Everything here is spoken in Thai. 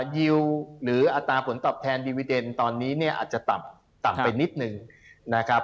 ดิวหรืออัตราผลตอบแทนวีวีเดนตอนนี้เนี่ยอาจจะต่ำไปนิดนึงนะครับ